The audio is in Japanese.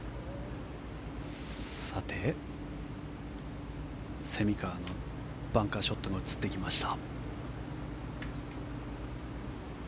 さて、蝉川のバンカーショットが映ってきました。